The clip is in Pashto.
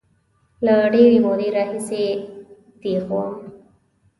له ډېرې مودې راهیسې دیغ وم.